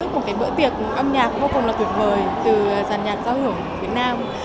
một bữa tiệc âm nhạc vô cùng tuyệt vời từ giàn nhạc giao hưởng việt nam